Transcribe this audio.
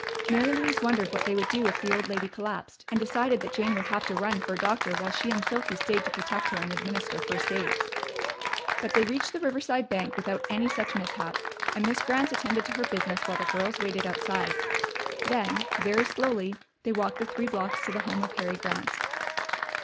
Mary Louise wondered what they would do if the old lady collapsed, and decided that Jane would have to run for a doctor while she and Silky stayed to protect her and administer first aid. But they reached the Riverside bank without any such mishap, and Miss Grant attended to her business while the girls waited outside. Then, very slowly, they walked the three blocks to the home of Harry Grant.